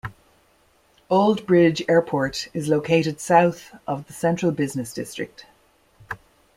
Old Bridge Airport is located south of the central business district.